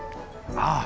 ああ！